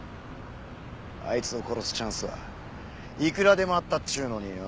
あいつを殺すチャンスはいくらでもあったっちゅうのによ。